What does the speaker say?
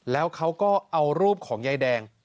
แล้วเขาก็เอารูปของยายแดง